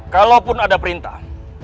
kalaupun ada perintah